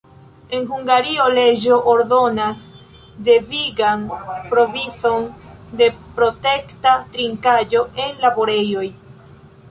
En Hungario, leĝo ordonas devigan provizon de protekta trinkaĵo en laborejoj.